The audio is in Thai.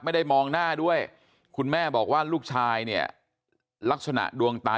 ไม่ได้มองหน้าด้วยคุณแม่บอกว่าลูกชายเนี่ยลักษณะดวงตา